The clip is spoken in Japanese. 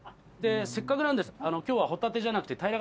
せっかくなんでホタテじゃなくて。